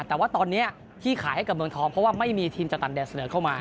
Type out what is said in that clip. แต่ว่าตอนนี้ที่ขายให้กับเมืองทองเพราะว่าไม่มีทีมจากตันแดดเสนอเข้ามา